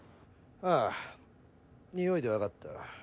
ああ匂いで分かった。